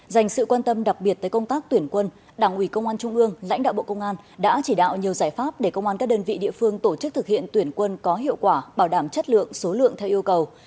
dành sự quan tâm đặc biệt tới công tác tuyển quân đảng ủy công an trung ương lãnh đạo bộ công an đã chỉ đạo nhiều giải pháp để công an các đơn vị địa phương tổ chức thực hiện tuyển quân có hiệu quả bảo đảm chất lượng số lượng theo yêu cầu